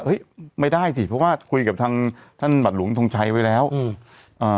ไม่ได้สิเพราะว่าคุยกับทางท่านบัตรหลวงทงชัยไว้แล้วอืมอ่า